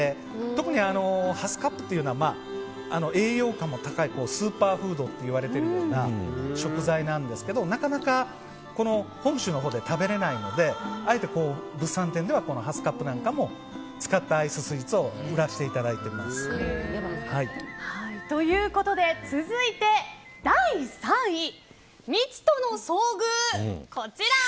特にハスカップというのは栄養価も高いスーパーフードと言われているような食材なんですがなかなか本州のほうでは食べれないのであえて物産展ではハスカップを使ったスイーツをということで続いて第３位未知との遭遇。